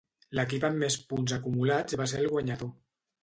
L'equip amb més punts acumulats va ser el guanyador.